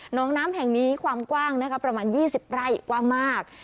น้องน้ำแห่งนี้ความกว้างนะคะประมาณ๒๐ไร่กว้างมาก